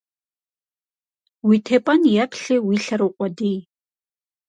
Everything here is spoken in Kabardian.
Уи тепӀэн йэплъи, уи лъэр укъуэдий.